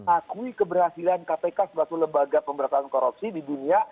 akui keberhasilan kpk sebagai lembaga pemberantasan korupsi di dunia